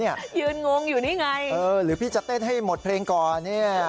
ยืนงงอยู่นี่ไงเออหรือพี่จะเต้นให้หมดเพลงก่อนเนี่ย